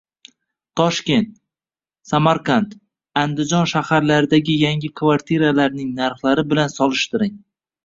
Toshkent, Samarqand, Andijon shaharlaridagi yangi kvartiralarning narxlari bilan solishtiring